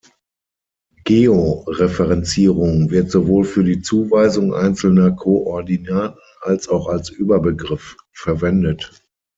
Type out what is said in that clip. Georeferenzierung wird sowohl für die Zuweisung einzelner Koordinaten, als auch als Überbegriff verwendet.